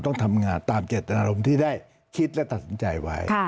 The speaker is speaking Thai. ต้องทำงานตามเจตนารมณ์ที่ได้คิดและตัดสินใจไว้